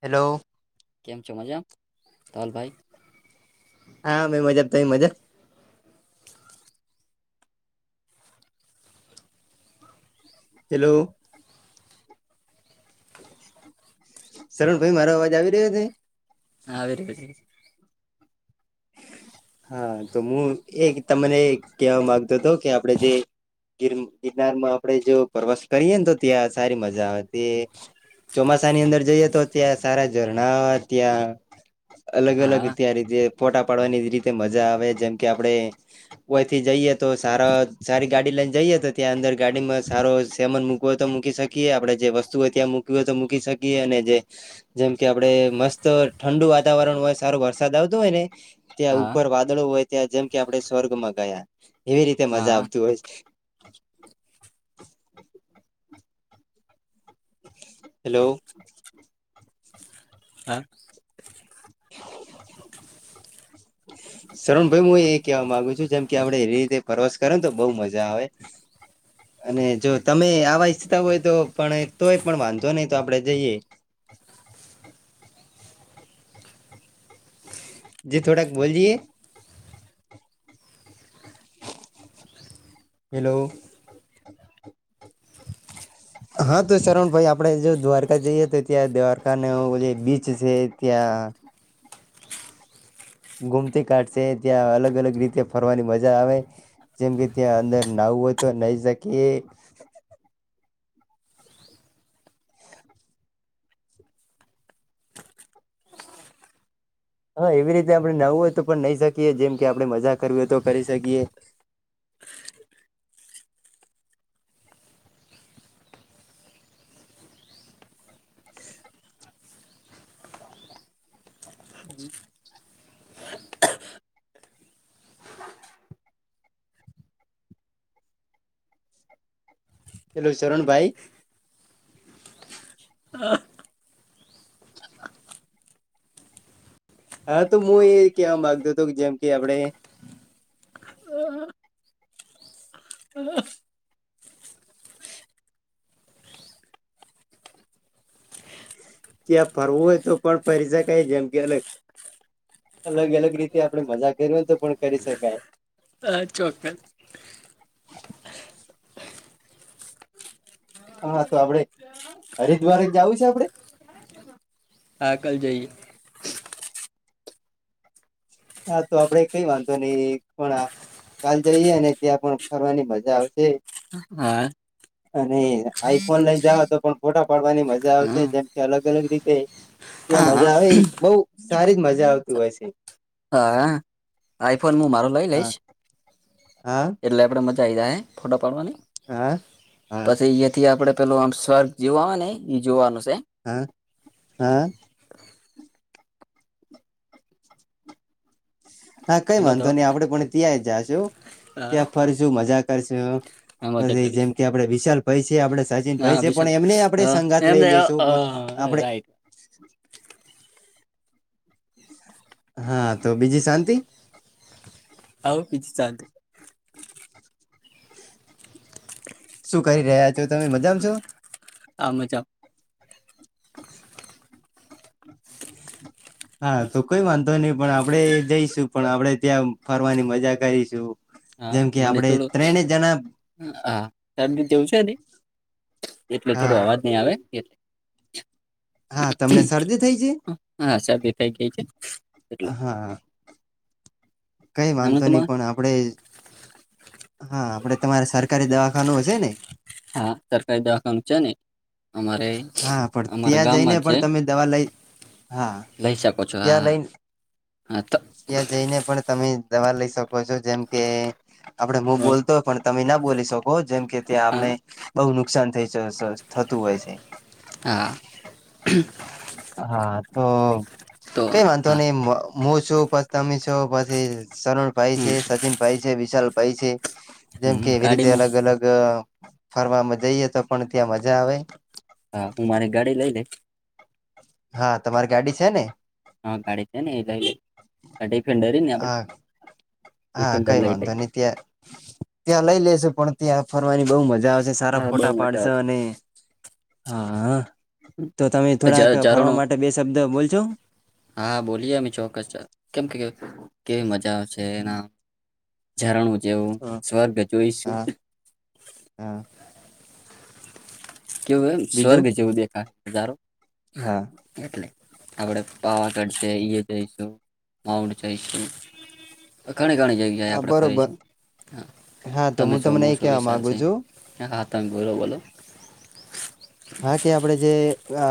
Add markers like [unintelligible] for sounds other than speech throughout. Hello કેમ છો મજા મા ધવલ ભાઈ હા મે મજા તે મજા. હેલો શરણ ભાઈ મારો અવાજ આવી રહ્યો છે હા આવીર્યો છે હા તો હું એક તમને કેવા માગતો હતો કે આપડે જે ગિરનારમાં આપડે જો પ્રવાસ કરીએ ને તો ત્યાં સારી મજા આવેતી. ચોમાસા ની અંદર જઈએ તો ત્યાં સારા ઝરણા ત્યાં અલગ હા અલગ વેરી ત્યારે જે. ફોટા પાડવાની રીતે મજા આવે જેમ કે આપડે કોઈથી જઈએ. તો, સારા સારી ગાડી લ જઈએ તો ત્યાં અંદર ગાડીમાં સો સેવન મૂકવ હોય તો મકીએ આપણે જેસ્તુ હોય ત્યાં મૂકવી હોય તો મૂકી. શકીએ અને જે જેમ કે આપડે મસ્ત ઠંડુ વાતાવરણ હોય સારો વરસાદ આવતો હોય ને હા ત્યાં ઉપર વાદળો હોય ત્યાં જેમ કે આપડણે સ્વર્ગમાં ગયા એવી રીતે મજા હા આવત હોય છે હેલો હા શરણ ભાઈ હું એ કેહેવા માગુ છું જેમ કે આપડે એ રીતે પ્રવાસ કરે ને તો બહ મજા આવે અને જો તમે આવા ઈચ્છતા હોય તો પણ તોય પણ વાંધો નહી તો આપડે જઈએ જી થોડાક બોલ જએ હલો હા તો શરવણ ભાઈ આપડે જો દ્વારકા જઈએ તો ત્યાં દ્વારકા ન જે બીચ છે ત્યાં હા, ગુમતી કાઢશે ત્યાં અલગ અલગ રીતે ફરવાની મજા આવે જેમ કે ત્યાં અંદર ના તો નહી શકી, હા એવી રીતે આપડણે નવું હોય તો પણ નહી શકીએ જેમ કે આપડે મજા કરવી હોય તો કરી શકીએ હમ હેલોલો શરણ ભાઈ, હા તો હું એ કેવા મામાંગતો હતો જેમ કે આપણે હમ, ત્યાં ફરવું હોય તો, પણ ફરી શકાય જેમ કે, અલગ અલગ અલગ રીતે આપડે મજા કરી હોને તો પણ કરી શકાય હ ચોકસ હા તો આપડે હરિદ્વારે જવું છે. આપડે આકલ જઈએ. હા તો આપડે કઈ વાંધો નહી પણ ચાલ જઈએ અને ત્યાં પણ ફરવાની મજા આવશે. હા અને આઈફોન લઈ જઓ તો પણ ફોટા પાડવાની મજા આવશે જેમ હા કે અલગ અલગ રીતે, ત્યાં મજા આવે બઉુ સારી જ મજા આવતી હોય છે હા આઈફોન હું મારો લઈ હા લઈશ હા એટલે આપણે મજા આવી જાય હ ફોટો પાડવાની હા હા પછી અયાથી આપણે પેલું આમ સ્ર્ જેવા આવે ને એ જોવાનું છે હા હા હા કઈ હેલો તો વાંધતોો નઈ આપડે પણ ત્યાં જાશુ ત્યાં હા ફરશું મજા કરશુ મજા પ કરીશ જેમ કે આપડે વિશાલ ભાઈ છે આપડે સચિન હા ભાઈ છે વિશાલ પણ એમને આપડે સંગાથ લઈ એમને લેશું હા આપડે રાઈટ [inaudible] હા તો બીજી શાંતિ આવા પીછ ચંત શું ક રહ્યાજ તો તમે મજામાં છો આ મજા હા તો કોઈ વાંધો નહી પણ આપડે જઈશું પણ આપડે ત્યાં ફરવાની મજા કરીશું હા જેમ કે મને આપડે થોડો ત્રણે જણા હાારીી જેવું છે ને એટલે થોડો હા અવાજ નહી આવેલે હા તમને શરદી થઈ છે હા શદીી થઈ ગઈ છે એટલે હા કઈ એમણે વાંધતો નહી તમારે પણ આપણેે હા આપડે તમારે સર હા સરકારી દવાખાઓ છે ને અમારે હા પણ અમારા ત્યાં જઈને ગામમાં છે પણ તમે દવા લઈ હા લઈ શકો છો એ હા લઈન હા તો ત્યાં જઈને પણ તમે દવા લઈ શકો છો જેમ કે આપડે હું બોલતો હો પણ તમે ના બોલી શકો જેમ કે ત્યાં આપણે હા બહુ નુકસાન થઈ થતું હોય છે હા હ તો કઈ વાનતો હા નહી હું છું પતામી છું પછી શરૂણ ભાઈ છે હમ સચિન ભાઈ છે વિશાલ ભાઈ છે જેમ કે હમ એવી રીતે ગાડીમાં અલગ અલગ ફરવામાં જઈએ તો પણ ત્યાં મજા આવે હા હું મારી ગાડી લઈ લે હા તમારી ગાડી છે ને હા ગાડી છે ને ડિફેન્ડર આપણે હા હા ડિફેન્ડર કઈ લઈ વાંધો લઈશ નહી ત્યાં ત્યાં લઈ લેસ પણ ત્યાં ફરવાની બહુ મજા આવશે સારા હા બહુ ફોટા મજા પાડશો અને હા આવશે તો તમે થોડાક ઝરણો ફરવા માટે બે શબ્દ બોલ છો હા બોલીય અમે ચોક્કસ કેમ કે કે કેવી મજા આવેશે એના ઝરણું જેવું સ્વર્ગ જોઈશું હા હા કેવું હ બીજું સ્વર્ગ છેવું દેખા હજારો હા આપડે પાવા કઢશે જઈશું માઉઠ જઈશું ઘણી ઘણી જગ્યાએ હા આપણે બરોબર ફરીશું હા હા તો તમે હું છોમ તમને એ છું વિ કહેવા માગુ ચાલશે છું હ હા તંગોરો બોલો હા કે આપણેે જે અ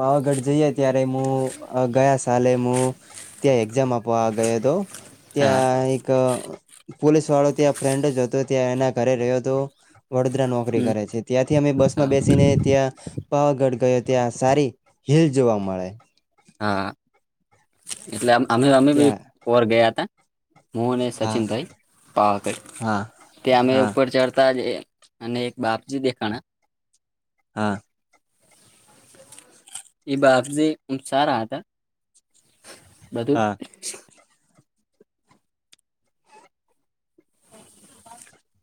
પાવાગઢ જઈે ત્યારે હું ગયા સાલે હું ત્યાં એક્ઝામ આપવા ગયો તો હા ત્યાં એક પોલીસ વાળો ત્યાં ફ્રેન્ડ જ હતો ત્યાં એના ઘરે રહ્યો હતો વડોદરા નોકરી હમ કરે છે ત્યાંથી અમે બસ માં હા બેસીને ત્યાં પાવાગઢ ગયો ત્યાં સારી હિલ જોવા મળે હા એટલે અમે અમે બી ત્યાં પોર ગયા હતા. મોહને હા સચિનભાઈ પાવાક હા તે અમે હા ઉપર ચઢતા જ. અને એક બાપજી દેખાણા હા એ બાપ જે સારા હતા બધું હા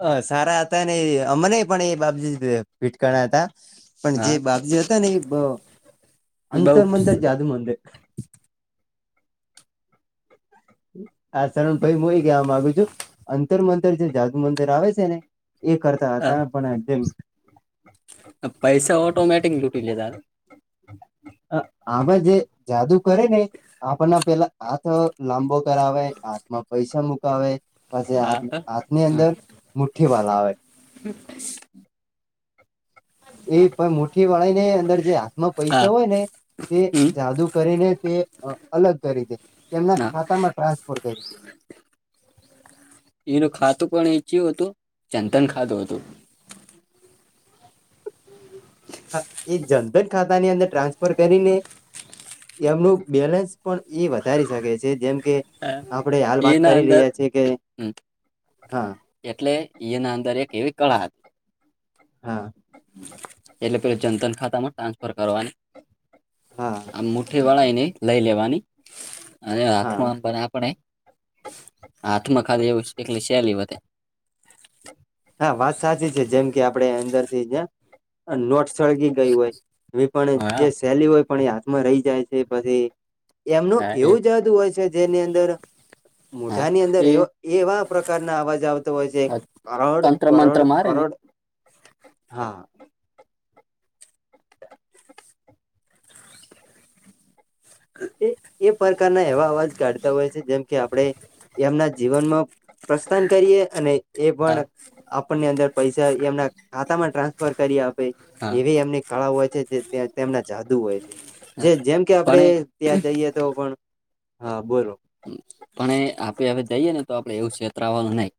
અ સારા હતા ને અમને પણ એ બાબજીત ફીટકણા હતા. પણ હા જે બાપ જે હતા ને એ. એ બઉ અંતર મંતર જાદૂ મંદ, હા સરણ ભાઈ હું એ ગયા મામાંગુ છું અંતર મંતર છે જાદુ મંદર આવે છે ને એ કરતા હા હતા પણ જેમ, પૈસા ઓટોમેટિક લૂટી લેતાાર આ જે જાદુ કરે ને આપણના પેલા આથ લાંબો કરાવે હાથમાં પૈસા મુકાવે પછી હા હાથ હા હાથની અંદર મુઠ્ઠી ભલા આવે એ પણ મુઠી વાળ ને અંદર જે હાથમાં હા પૈસા હોય ને તે હમ જાદુ કરીને તે અલગ કરી દે તેમના હા ખાતામાં ટ્રાન્સફર કરી દે એનું ખાતું પણ એચું હતું ચંદન ખાતું હતું એ જનધન ખાતા ની અંદર ટ્રાન્સફર કરીને એમનું બેલેન્સ પણ એ વધારી શકે છે જેમ કે આપડે હાલ હ વાત એના કરી અંદર રહ્યા છીએ કે હા હ એટલે એના અંદર એક એવી કળા હતી હા એટલે પેલા જનતન ખાતા માં ટ્રાન્સફર કરવાની હા આ મુઠે વાળા ન લઈ લેવાની અને આાથ ન હા આમ પણ આપણે હાથમાં ખાલી એવું એકલી સહેલી વધે હા વાત સાચી છે જેમ કે આપે અંદર થી નોટ, સળગી ગયું હોય એ પણ હા જે સહેલી હોય પણ એ હાથમાં રહી જાય છે પછી એમનું હા એ એવું જાદુ હોય છે જેની અંદર હા મોઢાની અંદર એ એવા પ્રકારના અવાજ આવતો હોય છે કરડ તંત્ર મંત્ર કરોડ મારે ને કરોડ હા એ પ્રકારના એવા અવાજ કાઢતા હોય છે જેમ કે આપણેે એમના જીવનમાં પ્રસ્થાન કરીએ અને એ પણ હા આપણની અંદર પૈસા એમના ખાતા માં ટ્રાન્સફર કરી હા એવી એમની કળા હોય છે જે તેમના જાદુ હોય છે જે જેમ કે આપડે પણ ત્યાં જઈએ તો પણ હા બોલો પણ એ આપે હવે જઈએ ને તો આપડે એવું છેતરાવાનું નહી.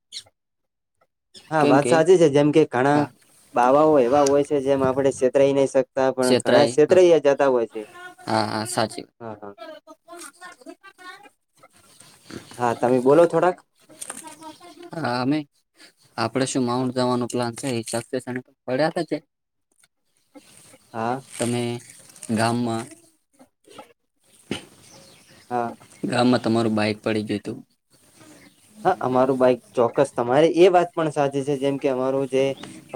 હા કેમ વાત કે સાચી છે જેમ કે ઘણા હા બાવાઓ એવા હોય છે જેમ આપણે છેતરાઈ નહી શક પણ ઘણા છેતરાય ક્ષેત્રે હા અયા જતા હોય છે હા હા સાચ. હા હા હા તમે બોલો થોડાક હા અમે આપડે શું માઉન્ટ જવાનું પ્લાન, ને તો પડ્યા હા તમે, ગામમાં હા ગામમાં તમારું બાઈક પડી ગયું તું હા અમારું બાઈક ચોક્કસ તમારી, એ વાત પણ સાચી છે જેમ કે અમારું જે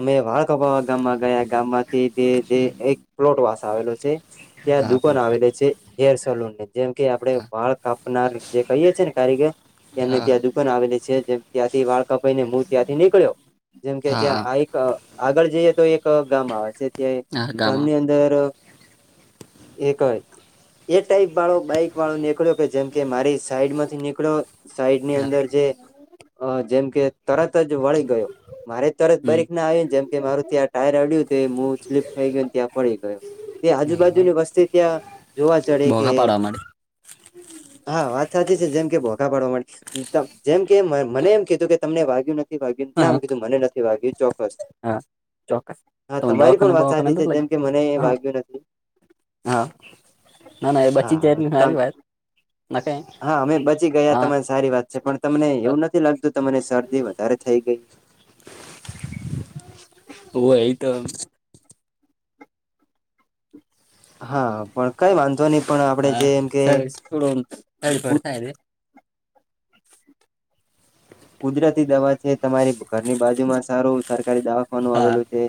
અમે વાળખપાવા ગામમાં ગયા ગામમાંથી તે જે એક પ્લોટવાસ આવેલો છે ત્યાં હા દુકાન પ્લોટમાં આવેલ છે હેર સલૂન નીંદર જેમ કે આપડે હા વાળ કાપનાર જે કહીએ છી ને કારીગર એમને હા ત્યા એ જેમ ત્યાંથી વાળકા ભાઈ ને હું ત્યાંથી નીકળ્યો જેમ કે ત્યાં હા આ એક આગળ જઈએ તો એક ગામ આવે છે. હા ગામમાં ગામની અંદર એકય એ ટાઈપ વાળો બાઈક વાળો નીકળ્યો. જેમ કે મારી સાઈડ માંથી નીકળો સાઈડ ની હા અંદર હ જેમ કે તરત જ વળી ગયો. મારે તરત હમ બારીક ના આવને જેમ કે મારું ત્યાં ટાયર આડ્યું હતું એ હું સ્લીપ ખઈ ગયો ત્યાં પડી ગયો. તે હા આજુબાજુની વસ્તી ત્યાં જોવા ચડે કે બોઘા પાડવા માટે હા વાત સાચી છે જેમ કે બો પાડવા જેમ કે મને એમ કીધું કે તમને વાગ્યું નથી. નથી વાગ્યું હા ના કીધું મને નથી વાગ્યું ચોક્કસ. હા ચોક્કસ હા તમે તમારી દવાખાને પણ વાત બવાખાને સાચી છે નથી જેમ લાગી કે મને હા વાગ્યું નથી. હા ના ના એ બચી જ હા જાયને તમ સારી વાત ના કઈ હા અમે બચી ગયા હા તમારી સારી વાત છે પણ તમને એવું નથી લાગતું તમને શરદી વધારે થઈ ગઈ ઓ એ તો હા પણ કઈ વાંધો નહી પણ આપણેે હા જે એમ કે સર થોડો તડફડ થાય છે કુદરતી દવા તમારી ઘરની બાજુમાં સારું સરકારી દવાખવાનું હા આવેલું છે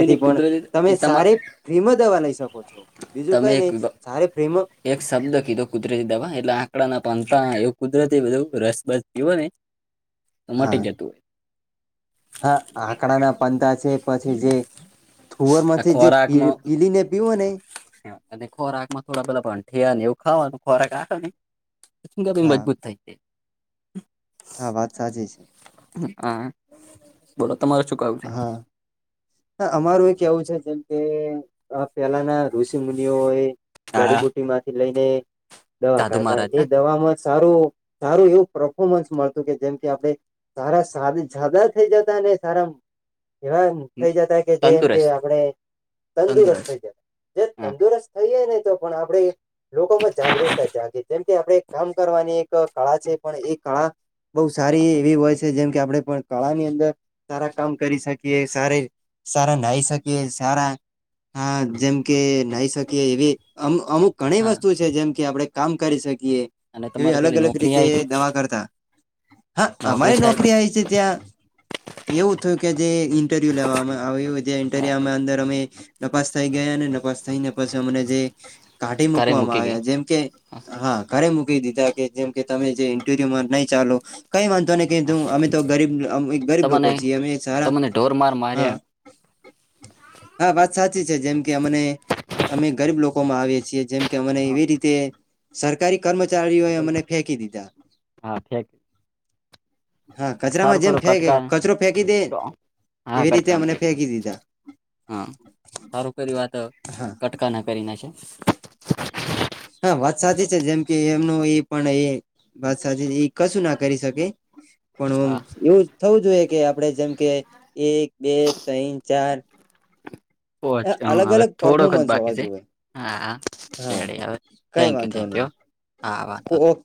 એની પણ કુદરતી તમે એ તમા અરે ફ્રી માં દવા લઈ શકો છો બીજું તમે કઈ એક નહી સારી ફ્રીમાં એક શબ્દ કીધો કુદરતી દવા એટલે આંકડાના પા હ એવું કુદરતી બધું રસ બસ હોય ને તો હા મટી જતું હોય હા આકડાના પંતા છે પછી જે થુવર આ માંથી જે ખોરાકમાં પીલી ને પીવો ને અને ખોરાક માં થોડા પેલા ભઠયા એવું ખાવાનું ખોરાક આવે શું [unintelligible] હા મજબૂત થાય છે હા વાત સાચી છે હા બોલો તમાર શું કાવુ છે હ અમારુ એ કેવું છે જેમ કે પેલાના ઋષિ મુનિઓ એ હા જાડીબુટી માંથી લઈને દવા સાધુ કાઢતા મહારાજ એ દવામાં સારું સારું એવું પરફોર્મન્સ મળતું કે જેમ કે આપણે સારા [unintelligible] સાદદા [unintelligible] થઈ જતા ને સરામ એવા થઇ ને જતા કે જેમ કે તંદુરસ્ત આપણે તંદુરસ્ત થઈ જ જે હા તંદુરસ્ત થઈ જાય ને તો પણ આપણે લોકોમાં જાગૃતતા જાગે કે આપણેે કામ કરવાની એક કળા છે પણ એ કળા બહ હા, સારી એવી હોય જેમ કે આપણે પણ કળા ની અંદર સારા કામ કરી શકીએ સારે સારા નાહાઈ શકીએ સારા હા જેમ કે નાહી શકીએ એવી અમ અમુક ઘણી હા વસ્તુ છે જેમ કે આપણે કામ કરી શકીએ ઈએ અને એવી તમારે અલગ પેલી અલગ નોકરી રીતે આવી હતી દવા કરતા હા અમારી નોકરી આઇ છે ત્યાં એવું થું કે જે ઇન્ટરવ્યુ લેવામાં આવ્યું જે હા ઇન્ટરવ્યુમાં અંદર અમે નપાસ થઇ ગયા અને નપાસ થઈ ને પછી હમને જે કાઢી ઘરે મુકવામાં મૂકી આયા ગયા જેમ કે હા ઘરે મુક દીધા કે જેમ કે તમે જે ઇન્ટરવ્યુમાં નહી ચાલો કઈ વાંધો નહી હા. કીધુ અમે તો ગરીબ અમ ગરીબ લોકો તમને છે સારા તમને ઢોર માર હા માર્યા હા વાત સાચી છે જેમ કે અમેને અમે ગરીબ લોકોમાં આવીએ છીએ જેમ કે અને હા, એવી રીતે સરકારી કર્મચારી ચારીઓ એ અમને ફેંકી દીધા હા ફેંક હા કચરામાં સારું જેમ ખરું ફેંકે કટકા કચરો ફેંકી દે હા એવી રીતે કટકામ છે અમને ફેંકી દીધા હા સારું કર વાત હા કટકા ના કરી નાખ્યા [inaudible] વાત સાચી એ કશું ના કરી શકે. પણમ હા એવું થવું જોઈએ કે આપણેે જેમ કે એક બે તઈન ચાર. પોચ એ અલગ હવે અલગ થોડોક જ પરફોમન્સ બાકી હોવા છે જોએ હા હા હા. રેડી હવે કઈ થેન્ક યુ વાંધો થેન્ક નહી. યુ હા વાતો. ઓકે